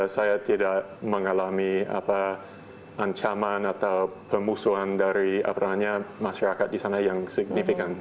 saya tidak mengalami ancaman atau pemusuhan dari masyarakat di sana yang signifikan